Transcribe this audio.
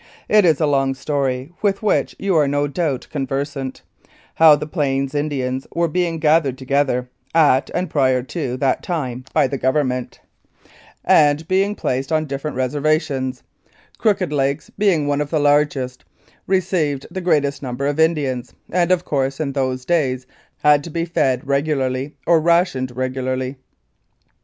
It is a long story, with which you are no doubt conversant, how the plains Indians were being gathered together at, and prior to, that time by the Government, and being placed on different reservations; Crooked Lakes being one of the largest, received the greatest number of Indians, and, of course, in those days had to be fed regularly or rationed regularly.